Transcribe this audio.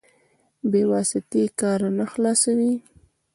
بې واسطې کار نه خلاصوي.